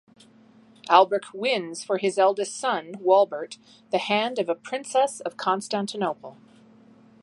Alberich wins for his eldest son, Walbert, the hand of a princess of Constantinople.